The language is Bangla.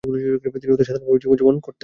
তিনি অতি সাধারণভাবে জীবনযাপন করতেন।